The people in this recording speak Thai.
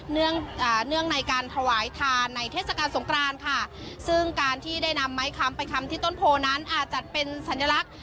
เนื่องในการถวายทานในเทศกาลสงครานค่ะซึ่งการที่ได้นำไม้คำไปคำที่ต้นโพนั้นอาจจัดเป็นสัญลักษณ์